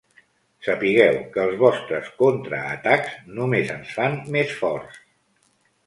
Sapigueu que els vostres contraatacs només ens fan més forts.